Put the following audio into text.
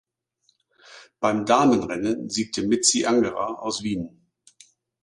Beim Damenrennen siegte Mizzi Angerer aus Wien.